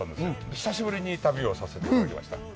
久しぶりに旅をさせていただきました。